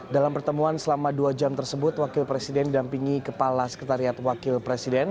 dalam pertemuan selama dua jam tersebut wakil presiden didampingi kepala sekretariat wakil presiden